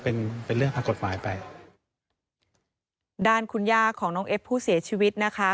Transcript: เป็นเป็นเรื่องทางกฎหมายไปด้านคุณย่าของน้องเอฟผู้เสียชีวิตนะคะ